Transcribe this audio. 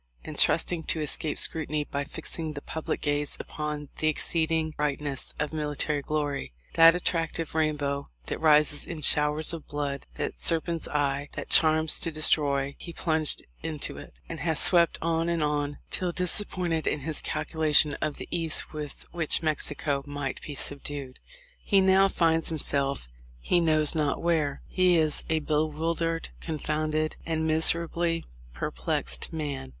and trusting to escape scrutiny by fixing the public gaze upon the exceeding bright ness of military glory, — that attractive rainbow that rises in showers of blood, that serpent's eye that charms to destroy, — he plunged into it, and has swept on and on, till disappointed in his calculation of the ease with which Mexico might be subdued, he now finds himself he knows not where. He is a bewildered, confounded, and miserably perplexed man.